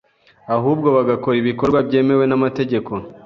ahubwo bagakora ibikorwa byemewe n’amategeko